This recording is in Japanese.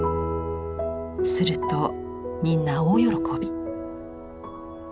するとみんな大喜び。